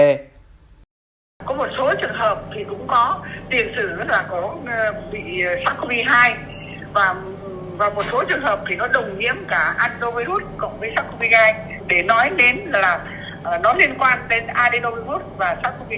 nói đến là nó liên quan đến adenovirus